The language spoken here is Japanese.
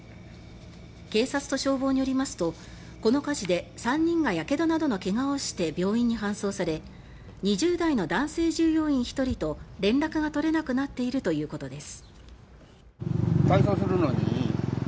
警察と消防によりますとこの火事で３人がやけどなどの怪我をして病院に搬送され２０代の男性従業員１人と連絡が取れなくなっているということです。